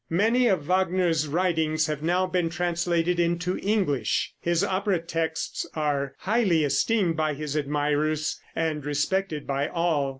Many of Wagner's writings have now been translated into English. His opera texts are highly esteemed by his admirers, and respected by all.